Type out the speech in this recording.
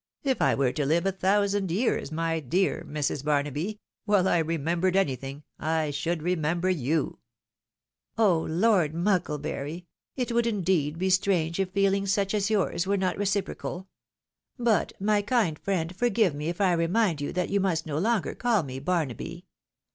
" If I were to live a thousand years, my dear Mrs. Barnaby, while I remembered anything, I should remember you!" 800 THE WIDOW MAREIBD. "Oh. Lord Muokleburyl It would, indeed, be strange if feeKngs suoli as yours were not reciprocal! But, my kind friend, forgive me if I remind you that you must no longer call me Barnaby.